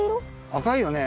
赤いよね。